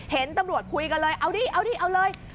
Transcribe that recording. เห็นตำรวจคุยกันเลยเอาดิเอาดิเอาเลย